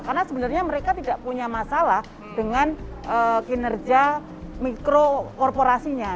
karena sebenarnya mereka tidak punya masalah dengan kinerja mikro korporasinya